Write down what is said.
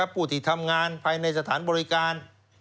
ผู้ที่ทำงานภายในสถานบริการ